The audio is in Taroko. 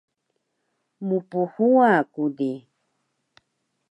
Mphuwa ku di?